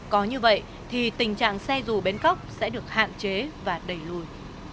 có như vậy thì tình trạng xe dù bến cóc sẽ được hạn chế và đẩy lùi